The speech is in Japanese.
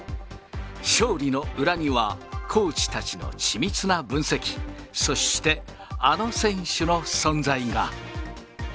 勝利の裏には、コーチたちの緻密な分析、そしてあの選手の存在が。